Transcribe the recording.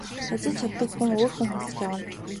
Ажиллаж чаддаг өөр хүн хөлсөлж авна.